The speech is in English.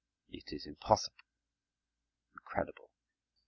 It is impossible, incredible!